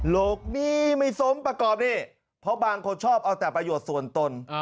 โลกนี้ไม่สมประกอบนี่เพราะบางคนชอบเอาแต่ประโยชน์ส่วนตน